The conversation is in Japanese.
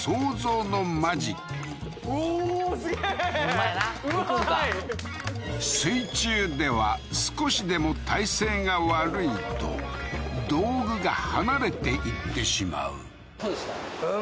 うまい水中では少しでも体勢が悪いと道具が離れていってしまうあ